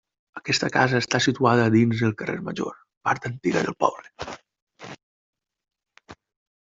Aquesta casa està situada dins el carrer Major, part antiga del poble.